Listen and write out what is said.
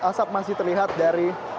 asap masih terlihat dari